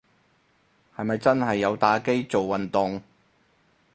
係咪真係有打機做運動